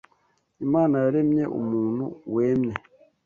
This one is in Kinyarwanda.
Imana yaremye umuntu wemye